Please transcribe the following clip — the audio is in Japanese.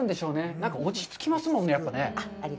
何か落ちつきますもんね、やっぱり。